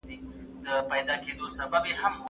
پرمختګ یوازي په شعارونو نه کیږي.